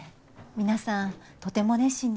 皆さんとても熱心で。